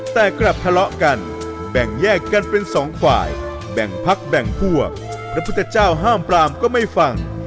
แต่กลับทะเลาะกันแบ่งแยกกันเป็นสองฝ่ายแบ่งพักแบ่งพวกพระพุทธเจ้าห้ามปรามก็ไม่ฟัง